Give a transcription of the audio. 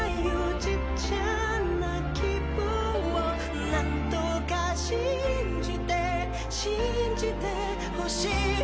ちっちゃな希望を何とか信じて、信じて欲しい。